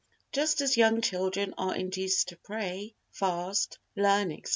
Just as young children are induced to pray, fast, learn, etc.